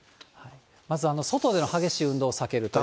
まず外での激しい運動を避けるということ。